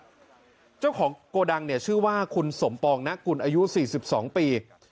เจ้าของโกดังเนี่ยชื่อว่าคุณสมปองนะกุลอายุ๔๒ปี